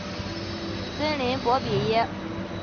森林博比耶。